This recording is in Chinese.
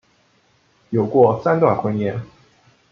有过三段婚姻。